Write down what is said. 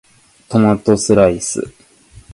トマトスライス